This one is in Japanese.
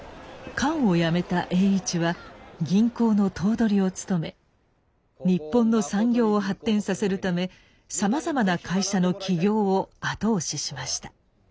官を辞めた栄一は銀行の頭取を務め日本の産業を発展させるためさまざまな会社の起業を後押ししました。